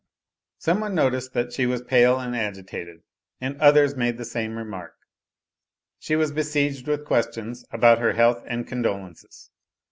'Some one noticed that she was pale and agitated, and others made the same remark. She was besieged with questions about her health and condolences.